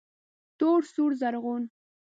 تور، سور، رزغون